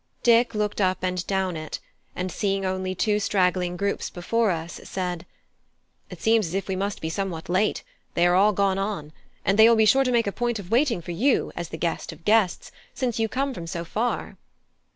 Dick looked up and down it, and seeing only two straggling groups before us, said: "It seems as if we must be somewhat late; they are all gone on; and they will be sure to make a point of waiting for you, as the guest of guests, since you come from so far."